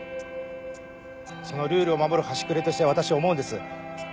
そのルールを守る端くれとして私思うんです。